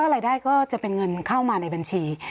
รายได้ก็จะเป็นเงินเข้ามาในบัญชี